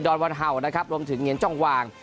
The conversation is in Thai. ดอนวันเห่านะครับรวมถึงเหงียนกว้าง